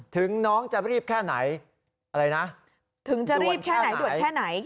น้องจะรีบแค่ไหนอะไรนะถึงจะรีบแค่ไหนด่วนแค่ไหน